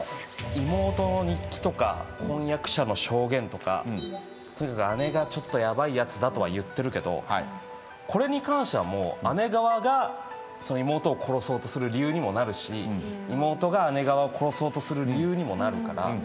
妹の日記とか婚約者の証言とかとにかく姉がヤバいやつだとは言ってるけどこれに関しては姉側が妹を殺そうとする理由にもなるし妹が姉側を殺そうとする理由にもなるから。